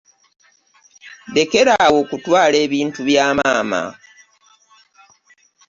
Lekera awo okutwaala ebintu bya maama.